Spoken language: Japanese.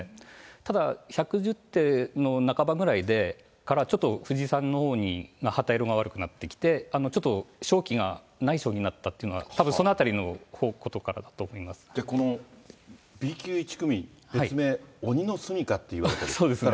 ただ１１０手の半ばくらいから、ちょっと藤井さんのほうが旗色が悪くなってきて、ちょっと勝機がない将棋になったっていうのは、たぶん、そのあたこのＢ級１組、別名、そうですね。